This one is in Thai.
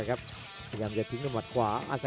กันต่อแพทย์จินดอร์